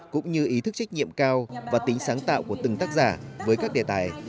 cũng như ý thức trách nhiệm cao và tính sáng tạo của từng tác giả với các đề tài